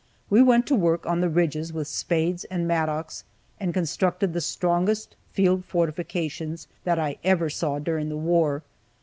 We went to work on the ridges with spades and mattocks, and constructed the strongest field fortifications that I ever saw during the war.